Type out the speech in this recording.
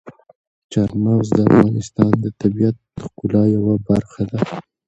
چار مغز د افغانستان د طبیعت د ښکلا یوه برخه ده.